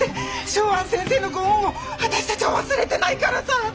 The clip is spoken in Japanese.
松庵先生のご恩を私たちゃ忘れてないからさ！